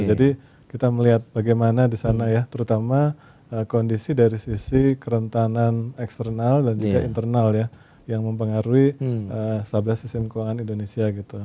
jadi kita melihat bagaimana disana ya terutama kondisi dari sisi kerentanan eksternal dan juga internal ya yang mempengaruhi stabilitas sistem keuangan indonesia gitu